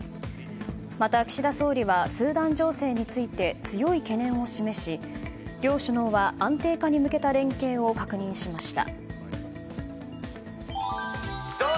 また岸田総理はスーダン情勢について強い懸念を示し両首脳は、安定化に向けた連携を確認しました。